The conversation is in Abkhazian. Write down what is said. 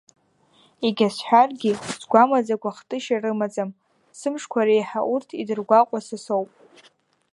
Егьа сҳәаргьы сгәы амаӡақәа хтышьа рымаӡам, сымшқәа реиҳа урҭ идыргәаҟуа са соуп.